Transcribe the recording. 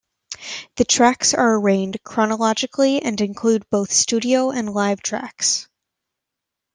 The tracks are arranged chronologically and include both studio and live tracks.